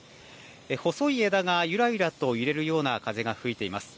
細い枝がゆらゆらと揺れるような風が吹いています。